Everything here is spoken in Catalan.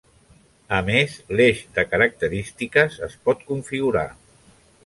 A més, l'eix de característiques es pot configurar.